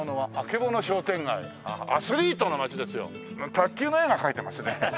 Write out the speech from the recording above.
卓球の絵が描いてますね。